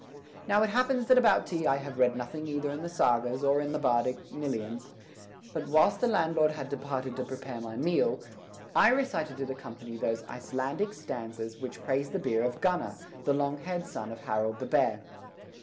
Now it happens that about tea I have read nothing either in the sagas or in the bardic cnylynions, but, whilst the landlord had departed to prepare my meal, I recited to the company those Icelandic stanzas which praise the beer of Gunnar, the long haired son of Harold the Bear.